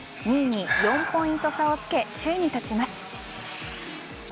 ２位に４ポイント差をつけ首位に立ちます。